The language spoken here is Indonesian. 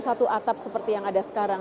satu atap seperti yang ada sekarang